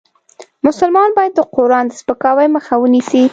مسلمان باید د قرآن د سپکاوي مخه ونیسي .